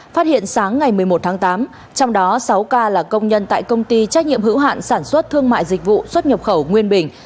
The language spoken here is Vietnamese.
phát hiện sáng ngày một mươi một tháng tám trong đó sáu ca là công nhân tại công ty trách nhiệm hữu hạn sản xuất thương mại dịch vụ xuất nhập khẩu nguyên bình